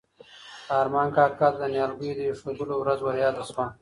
ارمان کاکا ته د نیالګیو د ایښودلو ورځ وریاده شوه.